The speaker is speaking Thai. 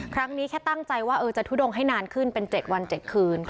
ครั้งนี้แค่ตั้งใจว่าจะทุดงให้นานขึ้นเป็น๗วัน๗คืน